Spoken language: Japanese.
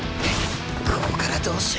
ここからどうし。